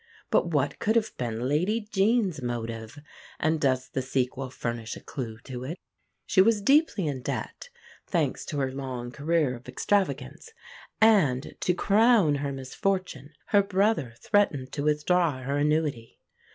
But what could have been Lady Jean's motive; and does the sequel furnish a clue to it? She was deeply in debt, thanks to her long career of extravagance; and, to crown her misfortune, her brother threatened to withdraw her annuity.